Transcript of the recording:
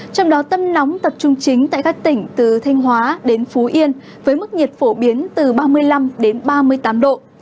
trong đó tâm nóng tập trung chính tại các tỉnh từ thanh hóa đến phú yên với mức nhiệt phổ biến từ ba mươi năm đến ba mươi tám độ